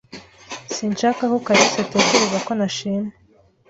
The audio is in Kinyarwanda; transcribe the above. Sinshaka ko Kalisa atekereza ko ntashima.